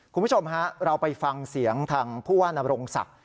คุณผู้ชมฮะเราไปฟังเสียงทางผู้ว่านรงศักดิ์